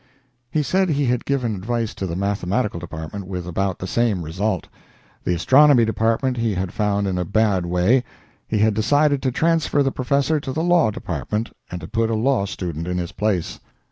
He said he had given advice to the mathematical department with about the same result. The astronomy department he had found in a bad way. He had decided to transfer the professor to the law department and to put a law student in his place.